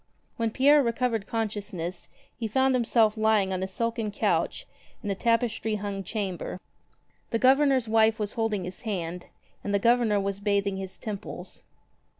When Pierre recovered consciousness he found himself lying on a silken couch in a tapestry hung chamber. The Governor's wife was holding his hand, and the Governor was bathing his temples.